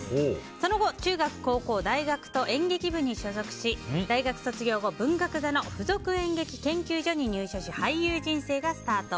その後、中学、高校、大学と演劇部に所属し大学卒業後、文学座の附属演劇研究所に入所し俳優人生がスタート。